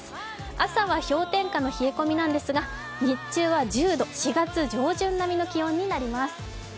朝は氷点下の冷え込みなんですが、日中は１０度、４月上旬並みの気温になります。